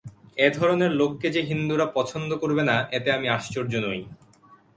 এ-ধরনের লোককে যে হিন্দুরা পছন্দ করবে না, এতে আমি আশ্চর্য নই।